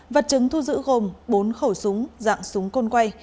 vật chứng thu giữ gồm bốn khẩu súng dạng súng côn quay